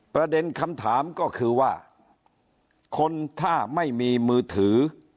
ประเด็นคำถามก็คือว่าคนถ้าไม่มีมือถือ